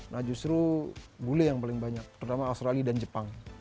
nah justru bule yang paling banyak terutama australia dan jepang